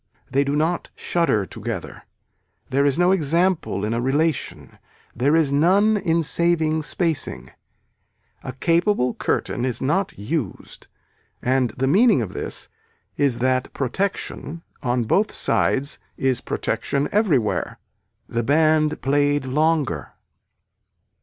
They do not shudder together. There is no example in a relation. There is none in saving spacing. A capable curtain is not used and the meaning of this is that protection on both sides is protection everywhere. The band played longer.